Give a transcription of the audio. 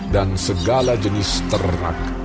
dan segala jenis terrak